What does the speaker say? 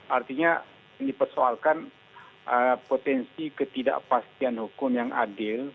artinya dipersoalkan potensi ketidakpastian hukum yang adil